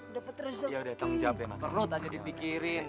dapat rezeki perut aja dipikirin